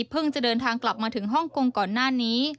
จะเดินทางกลับมาถึงฮ่องกงก่อนหน้านี้